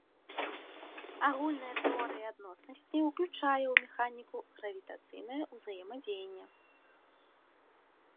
Агульная тэорыя адноснасці ўключае ў механіку гравітацыйнае ўзаемадзеянне.